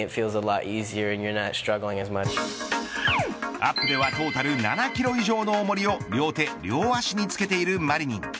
アップではトータル７キロ以上のおもりを両手両足に着けているマリニン。